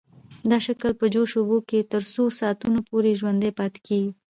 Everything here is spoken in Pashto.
دا شکل په جوش اوبو کې تر څو ساعتونو پورې ژوندی پاتې کیږي.